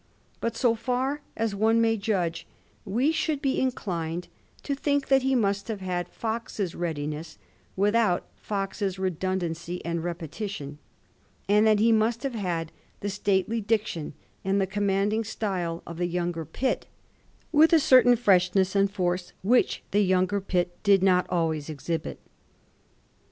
But so &r as one may judge, we should be inclined to think that he must have had Fox's readiness without Fox's redundancy and repeti tion ; and that he must have had the stately diction and the commanding style of the younger Pitt, with a certain freshness and force which the younger Pitt did not always exhibit.